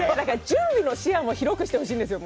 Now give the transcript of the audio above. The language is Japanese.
準備の視野も広くしてほしいんですよ。